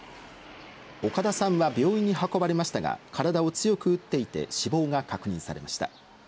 岡田さんは病院に運ばれましたが、体を強く打っていて、死亡が確認されました。